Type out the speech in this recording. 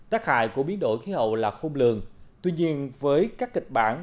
tác hại của biến đổi khí hậu là khôn lường tuy nhiên với các kịch bản